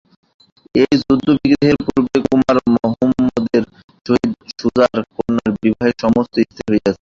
এই যুদ্ধবিগ্রহের পূর্বে কুমার মহম্মদের সহিত সুজার কন্যার বিবাহের সমস্ত স্থির হইয়াছিল।